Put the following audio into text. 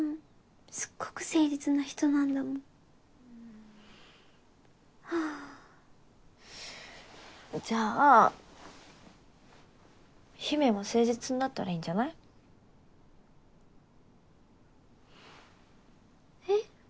すっごく誠実な人なんだもんはあじゃあ陽芽も誠実になったらいいんじゃない？えっ？